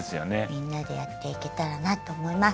みんなでやっていけたらなと思います。